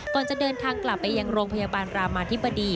ก่อนจะเดินทางกลับไปยังโรงพยาบาลรามาธิบดี